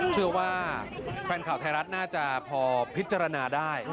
เชื่อว่าแฟนข่าวไทยรัฐน่าจะพอพิจารณาได้